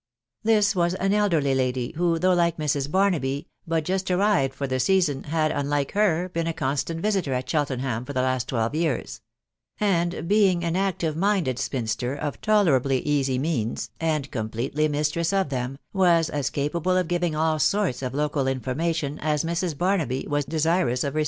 This was an elderly lady, who, though like Mrs. Barnarby, but just arrived for the season, had, unlike her, been a constant visiter at Cheltenham for the last twelve years ; and being an active minded spinster of tolerably easy means, and completely mistress of them, was as capable of giving all aorta of local information as Mrs. Buroafo^ vros ta&e«Q& ^l^fe 284 THB WIDOW BAANABY.